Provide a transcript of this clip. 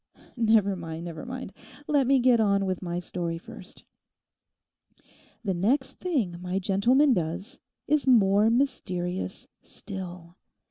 'Never mind, never mind; let me get on with my story first. The next thing my gentleman does is more mysterious still.